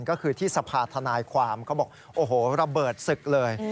ก็คือที่สภาธนายความเขาบอกโอ้โหระเบิดศึกเลย